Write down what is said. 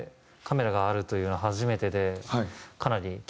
カメラがあるというのは初めてで。